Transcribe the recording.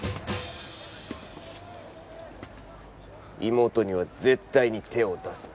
「妹には絶対に手を出すな」